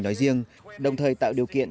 nói riêng đồng thời tạo điều kiện